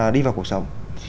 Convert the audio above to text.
đi vào cuộc sống